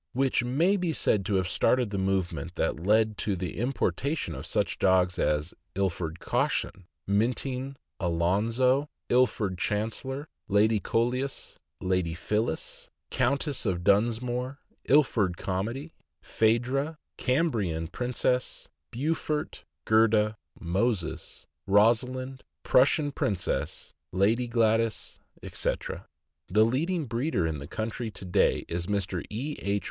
which may be said to have started the movement that led to the importation of such dogs as Ilford Caution, Minting, Alonzo, Ilford Chancellor, Lady Coleus, Lady Phyllis, THE MASTIFF. 577 Countess of Dunsmore, Ilford Comedy, Phaedra, Cambrian Princess, Beaufort, Gerda, Moses, Rosalind, Prussian Prin cess, Lady Gladys, etc. The leading breeder in the country to day is Mr. E. H.